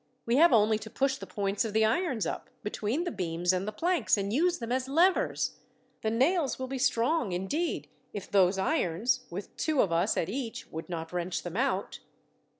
We have only to push the points of the irons up, between the beams and the planks, and use them as levers. The nails will be strong, indeed, if those irons, with two of us at each, would not wrench them out."